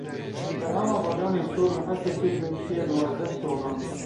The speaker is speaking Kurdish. Berhema bacanên sor li Hesekê gihiştiye duwazdeh tonan.